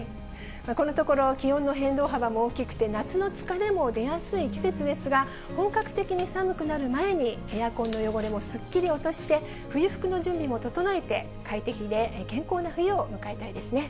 このところ、気温の変動幅も大きくて、夏の疲れも出やすい季節ですが、本格的に寒くなる前に、エアコンの汚れもすっきり落として、冬服の準備も整えて、快適で健康な冬を迎えたいですね。